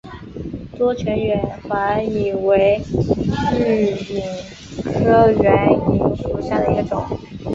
多腺远环蚓为巨蚓科远环蚓属下的一个种。